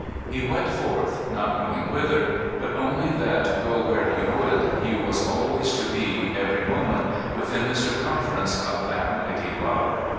He went forth, not knowing whither, but only that go where he would, he was always to be, every moment, within the circumference of that mighty Love.